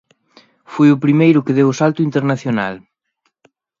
Foi o primeiro que deu o salto internacional.